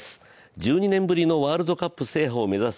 １２年ぶりのワールドカップ制覇を目指す